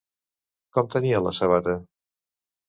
Com tenia la sabata?